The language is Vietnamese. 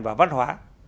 và văn hóa